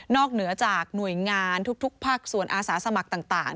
เหนือจากหน่วยงานทุกภาคส่วนอาสาสมัครต่าง